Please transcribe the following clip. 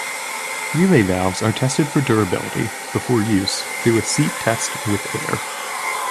Relay valves are tested for durability before use through a seat test with air.